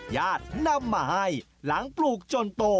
ญาตินำมาให้หลังปลูกจนโต